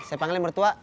saya panggilin mertua